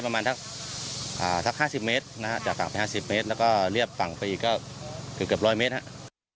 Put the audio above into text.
ผมจะโดนมาสัก๕๐เมตรจากฝั่งไป๕๐เมตรแล้วก็เลียบฝั่งไปก็เกือบ๑๐๐เมตรครับ